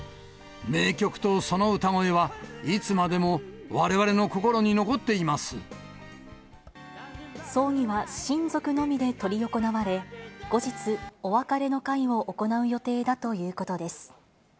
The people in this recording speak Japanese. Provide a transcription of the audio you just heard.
名曲とその歌声はいつまでもわれ葬儀は親族のみで執り行われ、後日、お別れの会を行う予定だということです。